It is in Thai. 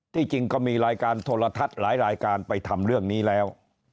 จริงก็มีรายการโทรทัศน์หลายรายการไปทำเรื่องนี้แล้ว